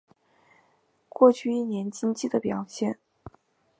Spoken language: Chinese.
过去一年经济的表现